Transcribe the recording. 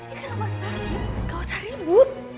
ini rumah saya gak usah ribut